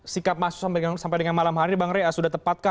sikap mahasiswa sampai dengan malam hari ini bang rey sudah tepatkah